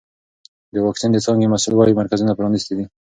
د واکسین د څانګې مسؤل وایي مرکزونه پرانیستي دي.